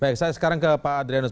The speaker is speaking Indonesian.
baik saya sekarang ke pak adrianus